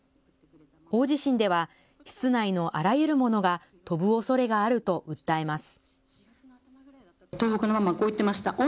大地震では室内のあらゆるものが飛ぶおそれがあると訴えます。